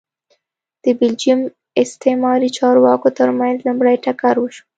د بلجیم استعماري چارواکو ترمنځ لومړی ټکر وشو